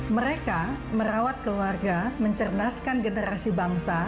mereka merawat keluarga mencerdaskan generasi bangsa